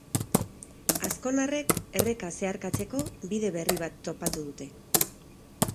Azkonarrek erreka zeharkatzeko bide berri bat topatu dute.